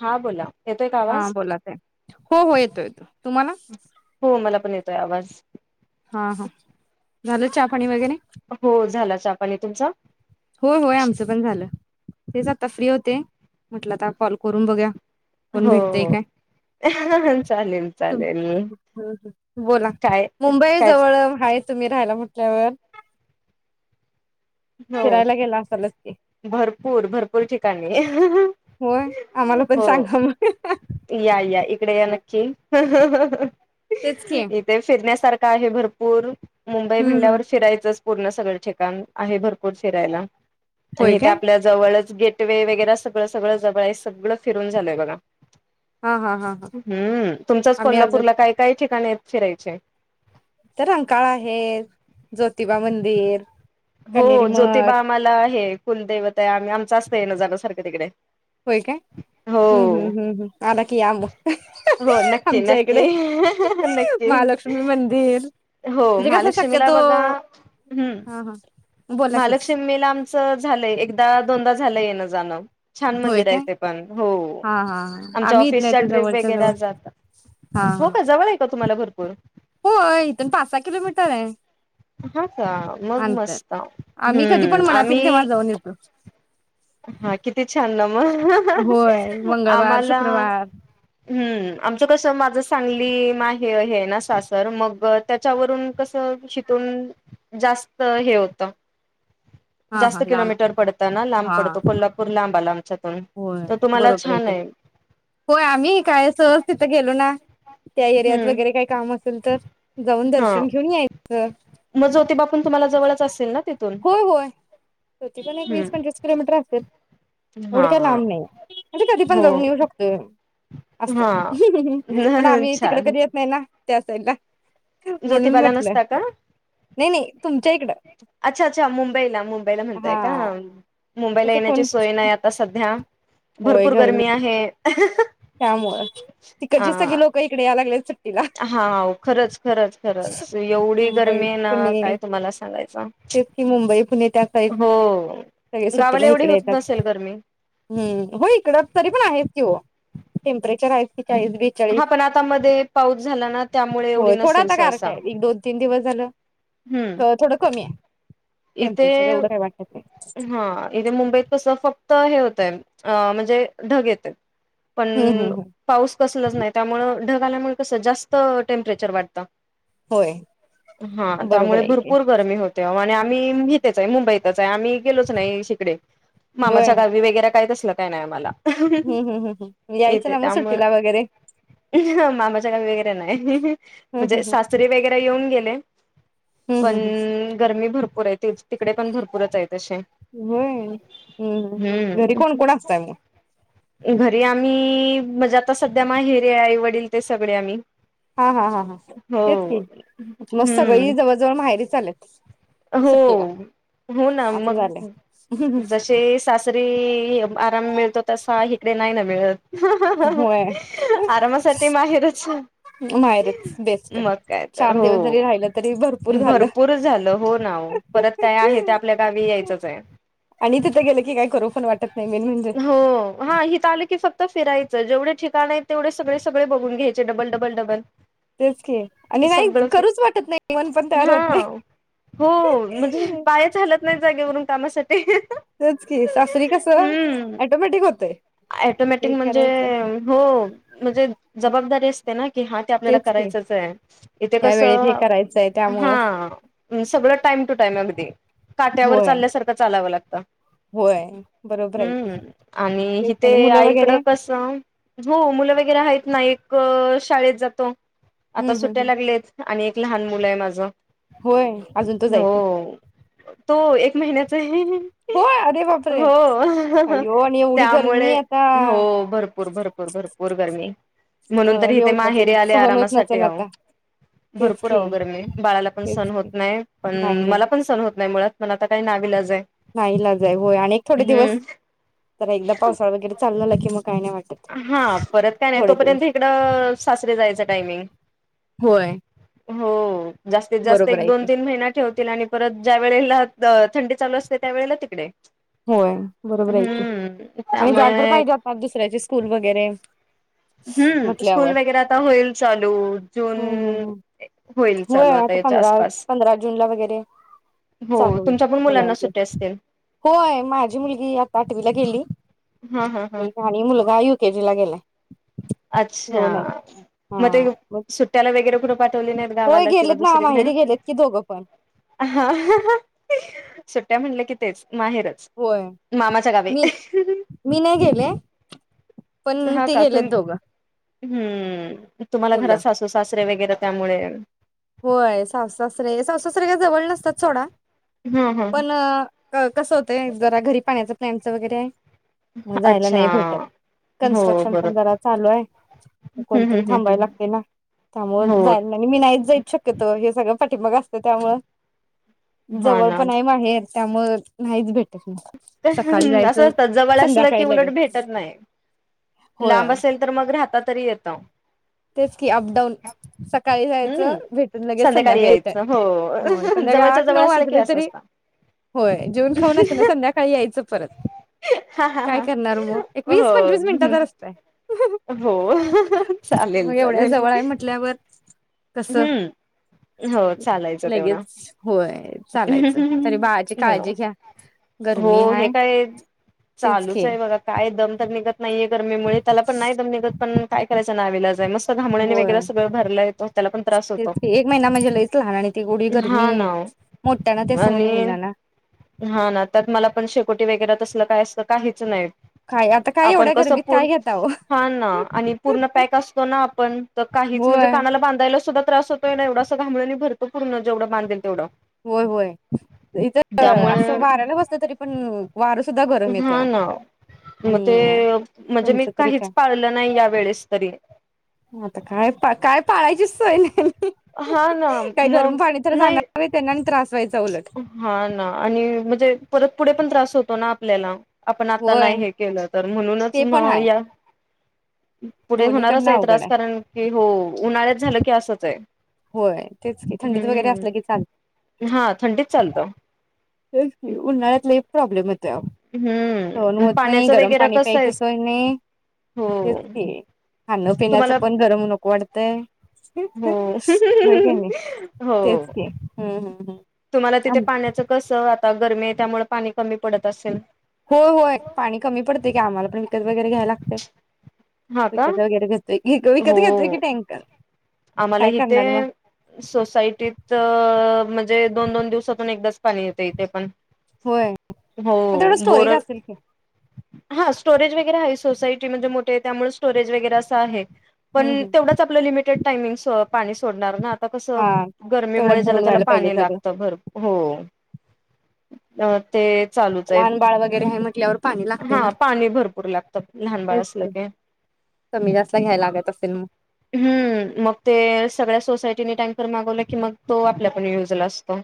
हा बोला येतोय का हा आवाज बोला आता हो हो येतो येतो तुम्हाला तो आवाज हा हा झालं चहा पाणी वगैरे हो झाला चहापाणी तुमचा होय होय आमचं पण झालं. तेच आता फ्री होते, म्हटलं तर कॉल करून बघूया. कोण हो भेटतेय काय? हो चालेल चालेल बोला काय मुंबई कायच जवळ हाय. तुम्ही राहायला म्हटल्यावर हो फिरायला गेला असालच की भरपूर भरपूर ठिकाणी हा.. होय आम्हाला हा.. पण सांगा मग हो या या इकडे या नक्की ह ह ह [unintelligible] तेच की इथे शे फिरण्यासारखं आहे भरपूर मुंबई हम्म हम्म म्हणल्यावर फिरायचंच पूर्ण सगळं ठिकाण आहे भरपूर फिरायला होय आणि इथे काय आपल्या जवळच गेट वे वगैरे सगळं सगळं जवळ आहे, सगळं फिरून झालय बघा हा हा हा हा हम्म, तुमचाच आम्ही अजून कोल्हापूरला काय काय ठिकाणी फिरायचेय तर रंकाळा आहे ज्योतिबा मंदिर हो कनेरी ज्योतिबा मठ आम्हाला हे आहे कुलदैवता आहे, आम्ही आम च असतं येण जाणं सारखं तिकडे. होय काय? हो. हम्म हम्म हम्म हम्म, आला कि या म हो नक्की आमच्या इकडे नक्की नक्की महालक्ष्मी मंदिर हो म्हणजे कस महालक्ष्मीला शक्यतो बघा हम्म हा हा. बोला की महालक्ष्मीला आमचं झालंय एकदा दोनदा झालंय येणं जाणं. छान होय मंदिर आहे काय? ते पण हो. हा हा हा आमच्या आम्ही इथल्या ऑफिसच्या इथं ट्रिप जवळच्या जवळ वगैरे जात हा हो हा का जवळ आहे का तुम्हाला भरपूर? होय इथून पाच सहा किलोमीटर आहे हा का मग अंतर मस्त. आम्ही कधी पण हम्म मनात येईल आम्ही तेव्हा जाऊन येतो. हा किती छान ना म होय ग मंगळवार आम्हाला शुक्रवार हम्म आमच कस माझ सांगली माहे हे आहे ना सासर मग त्याच्यावरून कस शिथून जास्त हे होत हा हा जास्त लांब किलोमीटर पडत ना लांब हा पडतो कोल्हापूर लांबाला होय, बरोबर आहे की होय आम्ही काय सहज तिथं गेलो ना त्या एरियात हम्म वगैरे काही काम असेल तर जाऊन हा दर्शन घेऊन यायचं. मग ज्योतिबा पण तुम्हाला जवळच असेल ना तिथून होय होय, ज्योतिबा पण एक हम्म वीस पंचवीस किलोमीटर असेल. एवढं हा काही हा लांब नाही म्हणजे कधी पण हो जाऊन येऊ शकतो असं हा पण आम्ही तिकडे छान कधी येत नाही ना ते असंय का? म्हणून ज्योतिबाला म्हटलं, नसता का नाही नाही तुमच्या इकडं अच्छा अच्छा मुंबईला मुंबईला हा म्हणताय का? मुंबईला तसे येण्याची कोण सोय नाही, आता सध्या भरपूर गरमी आहे. [unintelligible] त्यामुळेच तिकडची सगळी लोक इकडे यायला लागल्यात सु हा खरंच, खरंच, खरंच एवढी मुंबई गरमी आहे ना पुणे काय तुम्हाला सांगायचं. तेच की मुंबई पुणे त्या साईड हो सगळे गावाला सुट्टीला एवढी इकडे होत येतात नसेल गरमी? हम्म हो इकडं तरी पण आहेत कि ओ. टेम्परेचर आहेत की हा पण आता मध्ये पाऊस झाला ना त्यामुळे एवढी होय थोडा नसेल आता गारठा सहसा. आहे एक दोन तीन दिवस झालं हम्म क- थोडं कमी आहे इथे टेम्परेचर एवढं काही वाटत नाही हा इथे मुंबईत कसं फक्त हे हो तेन अ म्हणजे ढग येत्यात. हम्म पण हम्म हम्म पाऊस कसलच नाही. त्यामुळे ढग आल्यामुळे कसं जास्त टेम्परेचर वाटतं. होय हा बरोबर त्यामुळे आहे की भरपूर गर्मी होते आओ आणि आ मी इथेच आहे मुंबईतच आम्ही गेलोच नाही शिकडे मामाच्या गावी वगैरे काय तस काय नाही आम्हाला हम्म, हम्म, हम्म, हम्म. जायचं येते ना मग त्यामुळे सुट्टीला वगैरे मामाच्या गावी वगैरे नाही. हम् म्हणजे हम् सासरी वगैरे येऊन गेले, हम हम् पण हम् हम गरमी भरपूर आहे तिकडे पण भरपूरच आहेत. होय हम्म, हम्म. घरी कोण कोण असताय मग? घरी आम्ही म्हणजे आता सध्या माहेरी आई, वडील ते सगळे आम्ही हा, हा, हा, हा तेच हो. की मग हम्म सगळी जवळ, जवळ माहेरीच आलेत. हो, हो ना. असं मग झालंय हं, हं. जसे सासरी आरा मिळतो तसा इकडे नाही ना मिळत. होय आरामासाठी माहेरच, माहेरच बेस्ट मग काय तर चार हो. दिवस जरी राहिलं तरी झालं भरपूर झालं हो परत काय आहे ते आपल्या गावी यायचंच आहे. आणि तिथे गेलं की काय करू पण वाटत नाही मेन म्हणजे हो इथं आलं की फक्त फिरायचं. जेवढे ठिकाण आहेत, तेवढे सगळे सगळे बघून घ्यायचे. Double, double, double. तेच की आणि नाही सगळं फि करूच वाटत नाही मन पण तयार हा होत नाही. हो म्हणजे पाय चालत नाही जागेवरून कामासा तेच कि सासरी कस अँटोमॅटिक होतंय. अँटोमॅटिक म्हणजे अ हो म्हणजे जबाबदारी असते ना की हा ते आपल्याला तेच की करायचच आहे. इथे ह्या वेळेत हे कसं करायचंय त्यामुळं हा सगळ टाइम टू टाइम अगदी काट्यावर होय चालल्या सारखं चा लाव लागतं. होय बरोबर आहे की. ते ते आईकडं कसं हो मुलं वगैरे आहेत ना. एक क शाळेत जातो. आता हम्म हम्म सुटया हम्म लागलेत आणि एक लहान मुलं हाय माझं होय अजून तो जायच नाही हो तो एक महिन्याचं आहे. होय अरे बाप रे हो आयो आणि एवढी त्यामुळे गरमीआय हो भरपूर भरपूर भरपूर भरपूर गर्मी म्हणून तरी हे इथे होत माहेरी नसेल आले सहन होत आरामासाठी नसेल आहो आता तेच भरपूर की आओ गरमी बाळाला पण तेच सहन होत की नाही, पण नाही नाही मला पण सहन होत नाही मुळात पण आता काही नाविलाजाय नाईलाज आहे होय आणि एक थोडे दिवस जरा एकदा पावसाळा वगैरे चालू झाला की मग काय नाही वाटत हा परत काय नाही थोडे दिवस तोपर्यंत इकडं सासरी जायचं टायमिंग होय हो. जास्तीत जास्त बरोबर एक आहे दोन की तीन महिना ठेवतील आणि परत ज्या वेळेला द थंडी चालू असते त्यावेळेला तिकडे होय बरोबर आहे की हम्म आणि जायला तर त्यामुळे पाहिजे आता दुसऱ्याचे स्कूल व वगैरे हम्म म्हटल्यावर स्कूल वगैरे आता होईल चालू जून हम्म हम्म हम्म होईल होय चालू आता याच्या पंधरा आसपास पंधरा जून ला वगैरे हो चालू होईल तुमच्या पण मुलांना मुलांचे सुट्या असतील. होय माझी मुलगी आता आठवीला गेली. हा हा हा एक आणि मुलगा युकेजीला गेलाय. अच्छा दोन आहेत हा मग ते मग सुट्ट्याला वगै [unintelligible] सोडली नाहीत होय गावाला किंवा गेलेत ना दुसरीकडे माहेरी गेलेत की दोघं पण सुट्ट्या म्हटले की तेच माहेरच होय मामाच्या गावी मी मी नाही गेले पण हा ते का गेलेत तुम दोघं हम्म तुम्हाला मुलं घरात सासू सास वगैरे त्यामुळे होय सासू सासरे सासू सासरे काय जवळ नसतात सोडा हा हा पण कस होतय जरा घरी पाण्याचा प्लॅन च वगैरे मग जायला अच्छा नाही भेटत हो कन्स्ट्रक्शन बरोबर पण जरा चालू आहे, म हम्म कोणतरी हम्म हम्म थांबायला हम्म लागतय ना त्यामुळ हो जायला नाही आणि मी नाहीच जाईत. तीत हे सगळं पाठीमाग असतं त्यामुळ हा जवळ ना पण आहे माहेर त्यामुळ नाहीच भेट असं असतं जवळ असलं की संध्याकाळी उलट लगेच भेटत नाही लांब होय असेल तर मग राहत तरी येत ताव तेच की अप डाऊन सकाळी हम्म जायचं भेटून लगेच संध्याकाळी संध्याकाळीे इट यायचं हो होय संध्याकाळी जवळच्या आठ जवळ नऊ असलं की वाजले असं तरी असत होय जिऊन खाऊन असताना संध्याकाळी यायच परत हा हा काय हा करणार म एक वीस हो पंचवीस मिनटाचा रस्ताय हो चालेल मग एवढ्या चालेल जवळ आहे म्हटल्यावर कस हम्म हो चालायचं तेवढा लगेच होय चालायचं तरी बाळाची हो काळजी घ्या. गरमी हो हे हाय काय तेच की चालूच आहे बघा काय दम तर निघत नाहीे गरमीमुळे त्याला पण नाहीम निघत पण काय करायचं. चा नावीलाजाय मस घामोळ्यांनी होय वगैरे सगळ भरलाय तो तेच कि एक महिना म्हणजे लईच लहान आणि ती एवढी गरमी हा ना ओ. मोठ्याना ते सहन आणि होईना ना हा ना त्यात मला पण शेकोटी वगैरे तसलं काय अस काहीच नाही. काय आता काय आपन एवढ्या कस गरमीत पूर्ण काय घेता ओ हा ना पूर्ण प्याक असतो ना आपण काही म्हणजे होय कानाला बांधायला सुद्धा त्रास होतोय ना एवढा असं घामोळ्यांनी भरतो पूर्ण जेवढ बांधेल तेवढं होय होय इथ त्यामुळे असं वाऱ्याला बस तरी पण वार सुधा गरम येतय हा आव ना मग आणि ते म्हणजे मी तुमच तरी काय काहीच पाळलं नाही या वेळेस तरी आता काय काय पा पायचीच सोय नाही. हा ना मग नाही ते त्यांना आणि त्रास व्हायचा उलट हा ना आणि म्हणजे परत पुढे पण त्रास होतो ना आपल्याला आपण आता होय नाही हे केलं तर म्हणूनच ते म पण हाय या पुढे होणारच दोन्हीकडनं आहे अवघड त्रास कारण की हो उन्हाळ्यात झालं की असंच आहे. होय तेच की थंडीत वगैरे हम्म असलं की चाल हा थंडीच चालतो. तेच कि उन्हाळ्यात लई प्रॉब्लेम ये तोय आओ सहन हम्म होत नाही, पाण्याचं गरम वगैरे पाणी कसं आहे प्यायची सोय नाही हो तेचकी खाण पिण्याचं तुम्हाला पण गरम नको वाटत. ते हो, तेच हो. की हम्म हम्म तुम्हाला तिथ हम्म पाण्याचं कस आता गरमी आहे त्यामुळे पाणी कमी पडत असेल होय, होय पाणी कमी पडतंय की आम्हाला पण विकत वगैरे घ्याय लागतंय. हा का विकत वगैरे घेतोय. घे विकत हो घेतोय की टॅंकर. आम्हाला इथे सोसायटीत म्हणजे दोन, दोन दिवसातून एकदाच पाणी येतंय इथे पण. होय हो मग तेवढं स्टोरेज बोरर असेल की? हा स्टोरेज वगैरे आहे सोसायटी म्हणजे मोठी हाय त्यामुळं स्टोरेज वगैरे असं आहे. हम्म पण हम्म तेवढाच आपलं लिमिटेड टाइमिंग सो पाणी सोडणार ना आता कसं हा तेवढ्यात गर्मीमुळे ज्याला भरून त्याला व्हायला पाहिजे पाणी सगळं लागतं भरपूर. हो. अ ते चालूच आहे लहान बाळ वगैरे आहे म्हंटल्यावर पाणी लागतंय ना. हा पाणी भरपूर लागतं लहान बाळ तेच असलं की, कमी जास्त घ्यायला लागत असतील मग? हम्म मग ते सगळ्या सोसायटीने टँकर मागवलं की मग तो आपल्या पण युजला असतो.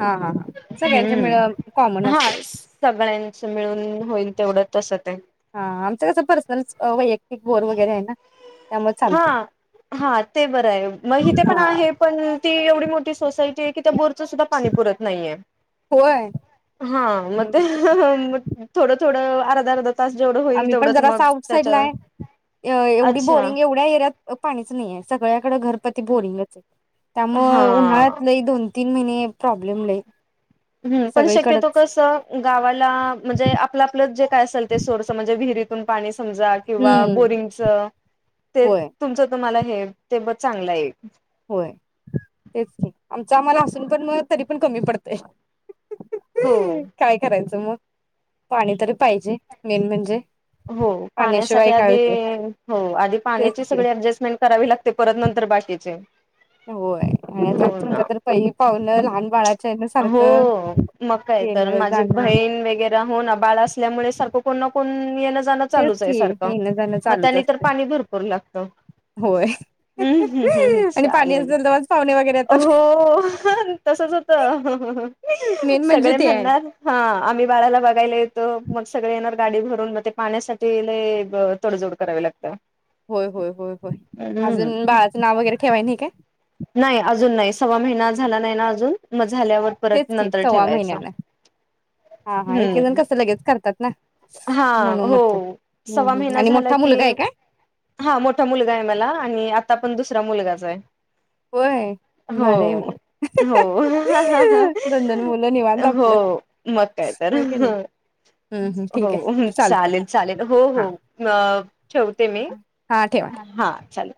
हा हा हा सगळ्यांच्या हम्म मिळ कॉमन हा असते सगळ्यांच मिळून होईल तेवढं तस ते हा आमचं कसं पर्सनल वैयक्तिक बोर वगैरे आहे ना त्यामुळे चालते हा, हा ते बरं आहे. मग इथे ते पण हा आहे पण ती एवढी मोठी सोसाय ते तिथं बोर ते सुद्धा पाणी पुरत नाहीये. होय हा, मग हम्म थोडं, थोडं अर्ध, अर्ध आम्ही पण जरास आउट साईडला आहे. अ एवढी अच्छा बोरिंग एवढ्या एरियात पाणीच नाहीये. सगळ्या सगळ्यां घरपती बोरिंगच आहे, हा त्यामूळं उन्हाळ्यात लई दोन, तीन महिने प्रॉब्लेम लई हम्म पण शक्यतो सगळीकडच कस गावाला म्हणजे आपलं आपलं जे काय असेल ते सोर्स म्हणजे विहिरीतून पाणी समजा किंवा हम्म बोरिंगच ते होय तुमचं तुम्हाला हे ते बघ चांगलं आहे. होय तेच की, आमच आम्हाला हासून पण म तरी पण कमी पडतय. हो काय करायचं म पाणी तरी पाहिजे मेन म्हणजे हो पाण्यासाठी पाण्याशिवाय काय आधी होते हो आधी तेच पाण्याची की सगळी ऍडजेस्टमेंट करावी लाग ते परत नंतर बाकीचे होय आणि हो ना तुमच्या तर पाई पावण लहान बाळा हो मग काय तर येणं माझी जाणं बहीण वगैरे हो ना बाळ असल्यामुळे सारखं कोण ना कोण येणंच जाण तेच चालूच ये की सारखं येणं जाणं मग चालूच त्यानं तर असतंय पाणी त्यांनी तर पाणी भरपूर लागतं होय. हूं हूं हूं हूं आणि पाणी चालेल असेल तेव्हाच पाहुणे वगैरे येतात हो तसच होतं मेन म्हणजे सगळे ते आहे म्हणणार हा आम्ही बाळाला बघायला येतो. मग सगळे येणार गाडी भरून म ते पाण्यासाठी लई ग तडजोड करावी लागत. होय होय होय होय अजून बाळाचं नाव वगैरे ठेवाय नाय काय? नाय अजून नाही सव्वा महिना झाला नाही ना अजून मग झाल्यावर परत तेच की नंतर सव्वा ठेवायचं महिन्याला हा हा एक एक जण हूं कसं लगेच करतात ना हा म्हणून हो म्हटलं. सव्वा हम्म हम्म महिना आणि झाला मोठा की मुलगा आहे काय हा मोठा मुलगा हाय मला आणि आता पण दुस ठा मुलगाचा आहे. होय हो भारी आहे मग. हो दोन दोन मुलं निवांत आपलं हो मग काय तर होय की नाही हम्म हम्म ठीक हो आहे चालतंय चालेल चालेल हो हा. हो अ ठेवते मी हा ठेवा हा चाले